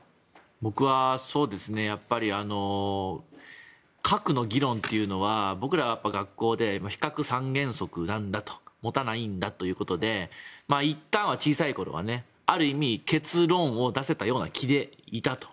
僕は核の議論というのは僕らは学校で非核三原則なんだと持たないんだということでいったんは小さい頃はある意味、結論を出せたような気でいたと。